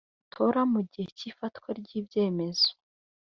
ntatora mu gihe cy ifatwa ry ibyemezo